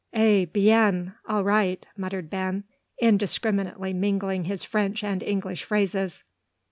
"Eh bien! all right!" muttered Ben, indiscriminately mingling his French and English phrases.